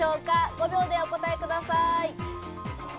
５秒でお答えください。